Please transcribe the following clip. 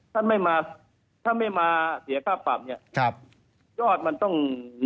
ถ้าไม่มาเสียค่าปรับยอดมันต้อง๑๙๑๕